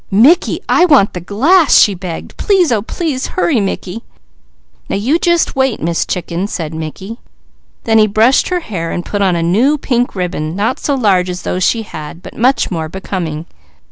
"Mickey, I want the glass!" she begged. "Please, oh please hurry, Mickey." "Now you just wait, Miss Chicken!" said Mickey. Then he brushed her hair and put on a new pink ribbon, not so large as those she had, but much more becoming.